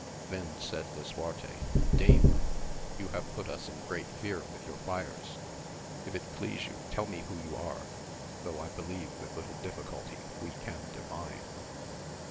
Then said Lisuarte, Dame, you have put us in great fear with your fires, if it please you tell me who you are, though I believe with little difficulty we can divine.